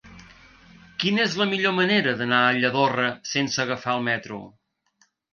Quina és la millor manera d'anar a Lladorre sense agafar el metro?